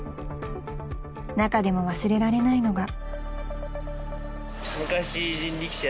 ［中でも忘れられないのが］